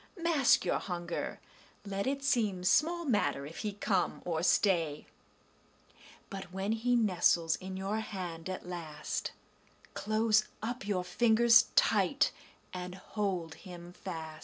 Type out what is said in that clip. Mask your hunger; let it seem Small matter if he come or stay; But when he nestles in your hand at last, Close up your fingers tight and hold him fast.